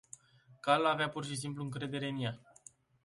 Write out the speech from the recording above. Calul avea pur și simplu încredere în ea.